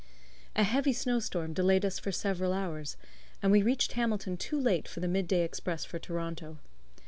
A heavy snow storm delayed us for several hours, and we reached Hamilton too late for the mid day express for Toronto.